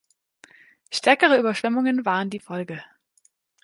Stärkere Überschwemmungen waren die Folge.